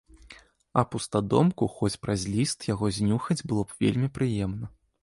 А пустадомку хоць праз ліст яго знюхаць было б вельмі прыемна.